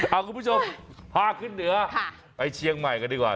คุณผู้ชมพาขึ้นเหนือไปเชียงใหม่กันดีกว่า